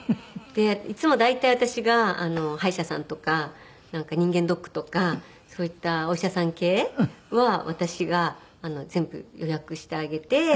いつも大体私が歯医者さんとか人間ドックとかそういったお医者さん系は私が全部予約してあげて。